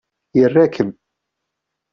Ira-kem!